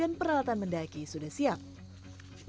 aku ke mereka tanya ini mukan dapur